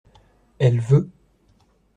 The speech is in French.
Elle veut.